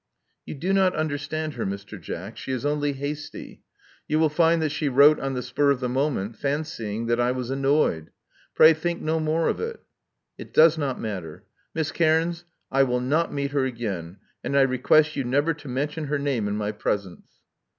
"You do not understand her, Mr. Jack. She is only hasty. You will find that she wrote on the spur of the moment, fancjring that I was annoyed. Pray think no more of it.*' It does not matter. Miss Cairns. I will not meet her again; and I request you never to mention her name in my presence."